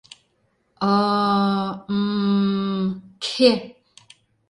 — Ы-ы...мм... кхе...